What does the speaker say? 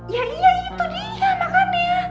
ya iya itu dia makannya